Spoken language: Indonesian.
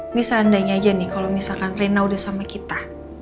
ini seandainya aja nih kalau misalkan rena udah sama kita